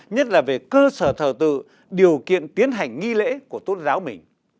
nhất là về cơ sở thờ tự điều kiện tiến hành nghi lễ của tôn giáo mình